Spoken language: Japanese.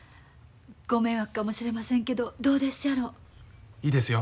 ご迷惑かもしれませんけどどうでっしゃろ？いいですよ。